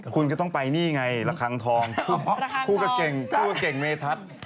คุณก็ต้องไปนี่ไงระคังทองผู้เก่งเมทัศน์